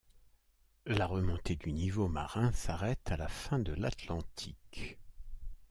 La remontée du niveau marin s’arrête à la fin de l’Atlantique.